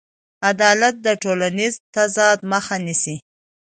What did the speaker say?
عدالت د ټولنیز تضاد مخه نیسي.